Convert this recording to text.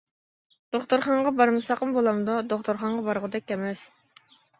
دوختۇرخانىغا بارمىساقمۇ بولامدۇ؟ -دوختۇرغا بارغۇدەك ئەمەس.